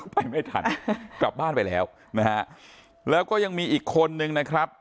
ไปไม่ทันกลับบ้านไปแล้วนะฮะแล้วก็ยังมีอีกคนนึงนะครับ